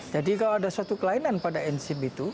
jadi kalau ada suatu kelainan pada enzim itu